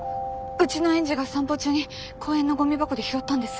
うちの園児が散歩中に公園のゴミ箱で拾ったんです。